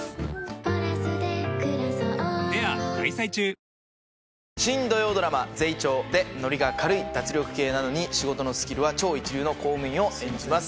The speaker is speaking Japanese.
誕生新土曜ドラマ『ゼイチョー』でノリが軽い脱力系なのに仕事のスキルは超一流の公務員を演じます。